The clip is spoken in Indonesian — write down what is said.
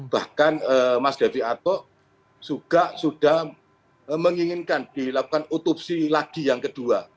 bahkan mas devi ato juga sudah menginginkan dilakukan otopsi lagi yang kedua